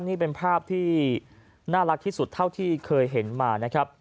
นี่เป็นภาพที่น่ารักที่สุดเท่าที่เคยเห็นมานะครับ